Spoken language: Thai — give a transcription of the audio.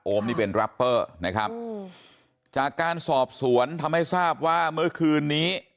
นี่เป็นแรปเปอร์นะครับจากการสอบสวนทำให้ทราบว่าเมื่อคืนนี้